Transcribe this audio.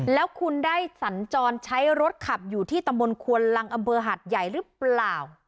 แล้วคุณได้สัญจรใช้รถขับอยู่ที่ตำบลควนลังอำเภอหัดใหญ่หรือเปล่า